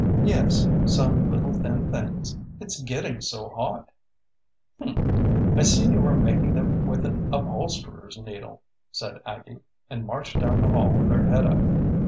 "Yes. Some little thin things it's getting so hot!" "Humph! I see you are making them with an upholsterer's needle!" said Aggie, and marched down the hall with her head up.